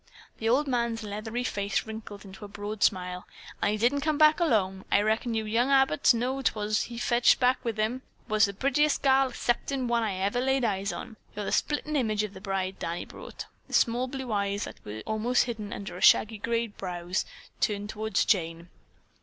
The old man's leathery face wrinkled into a broad smile. "An' he didn't come back alone! I reckon you young Abbotts know who 'twas he fetched back with him. It was the purtiest gal 'ceptin' one that I ever laid eyes on. You're the splittin' image of the bride Danny brought." The small blue eyes that were almost hidden under shaggy gray brows turned toward Jane.